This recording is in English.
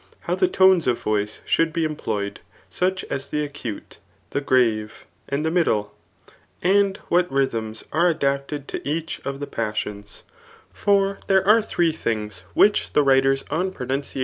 How the tones of voice should be on ployed ; such as die acute, the grave, and the middle ; and what rhythms are adapted to each of the pasaons For there are three things whidi the writers on pronun qHAP» t.